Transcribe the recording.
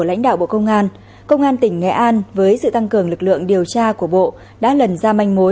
giám đốc công an tỉnh nghệ an cũng trao thưởng hai mươi triệu đồng cho các lực lượng tham gia phá án